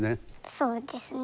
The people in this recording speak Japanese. そうですね。